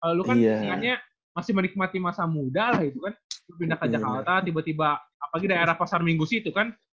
kalau lu kan misalnya masih menikmati masa muda lah gitu kan lu pindah ke jakarta tiba tiba apalagi daerah pasar minggu sih itu kan